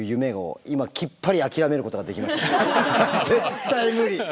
絶対無理！